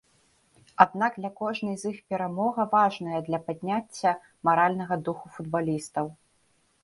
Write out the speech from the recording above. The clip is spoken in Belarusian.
Аднак для кожнай з іх перамога важная для падняцця маральнага духу футбалістаў.